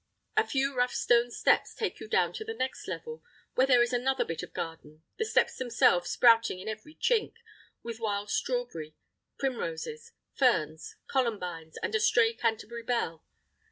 A few rough stone steps take you down to the next level, where there is another bit of garden, the steps themselves sprouting in every chink, with wild strawberry, primroses, ferns, columbines, and a stray Canterbury bell.